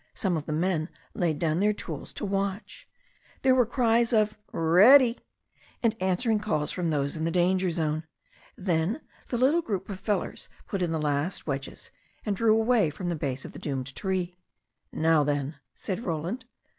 Some of the men laid down their tools to watch. There were cries of "Ready," and an swering calls from those in the danger zone. Then the little group of fellers put in the last wedges and drew away from the base of the doomed tree. "Now, then," said Roland.